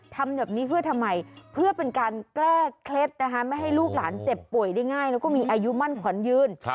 ทำแบบนี้เพื่อทำไมเพื่อเป็นการแก้เคล็ดนะคะไม่ให้ลูกหลานเจ็บป่วยได้ง่ายแล้วก็มีอายุมั่นขวัญยืน